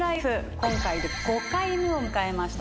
今回で５回目を迎えました